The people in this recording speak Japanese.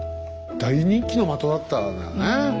大人気の的だったんだね。